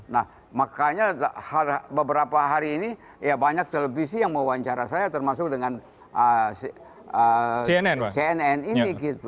nah makanya beberapa hari ini ya banyak televisi yang mewawancara saya termasuk dengan cnn ini